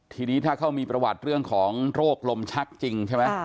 ทีนี้ถ้าเขามีประวัติเรื่องของโรคลมชักจริงใช่ไหม